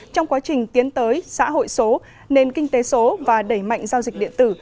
trong quá trình tiến tới xã hội số nền kinh tế số và đẩy mạnh giao dịch điện tử